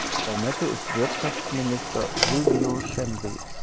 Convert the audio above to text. Sein Neffe ist Wirtschaftsminister Silvio Schembri.